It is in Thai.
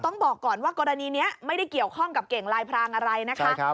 ต้องบอกก่อนว่ากรณีนี้ไม่ได้เกี่ยวข้องกับเก่งลายพรางอะไรนะคะ